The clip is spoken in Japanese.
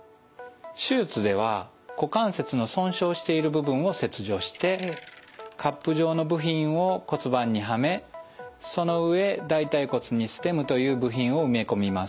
手術では股関節の損傷している部分を切除してカップ状の部品を骨盤にはめその上大腿骨にステムという部品を埋め込みます。